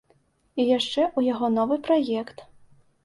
І яшчэ ў яго новы праект.